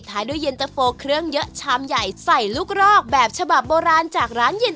ขอบคุณครับขอบคุณครับ